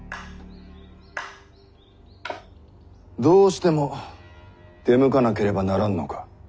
どうしても出向かなければならぬのか。